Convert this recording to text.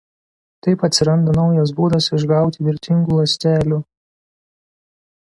Taip atsiranda naujas būdas išgauti vertingų ląstelių.